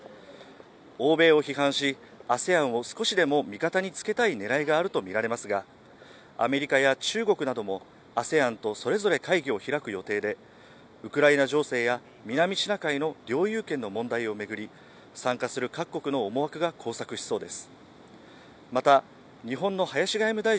欧米を批判し、ＡＳＥＡＮを少しでも味方につけたい狙いがあるとみられますが、アメリカや中国なども、ＡＳＥＡＮとそれぞれ会議を開く予定で、ウクライナ情勢や南シナ海の領有権の問題を巡り、参加する各国の思惑が交錯しそうです。